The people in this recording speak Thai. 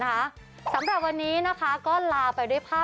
เพราะวันอาทิตย์เท่านั้นเจอกับเราสองคนส่วนวันจันทร์ถึงเสาร์เจอกับคุณชนะและคุณชิสา